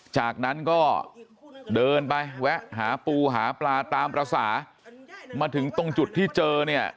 จากนั้นก็เดินไปแวะหาปูหาปลาตามภาษามาถึงตรงจุดที่เจอเนี่ย